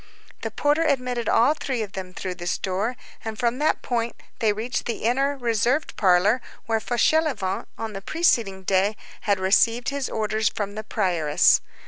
The porter admitted all three of them through this door, and from that point they reached the inner, reserved parlor where Fauchelevent, on the preceding day, had received his orders from the prioress.